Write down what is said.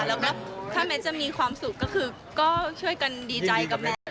แล้วก็ถ้าเม้นจะมีความสุขก็คือก็ช่วยกันดีใจกับแมท